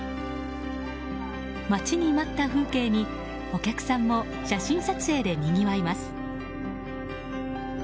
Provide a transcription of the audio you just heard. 待ちに待った風景に、お客さんも写真撮影でにぎわいます。